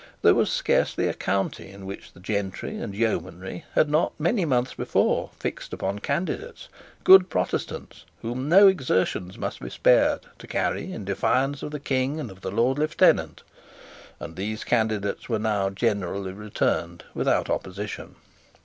There was scarcely a county in which the gentry and yeomanry had not, many months before, fixed upon candidates, good Protestants, whom no exertions must be spared to carry, in defiance of the King and of the Lord Lieutenant; and these candidates were now generally returned without opposition.